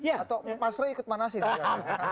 atau mas rai ikut mana sih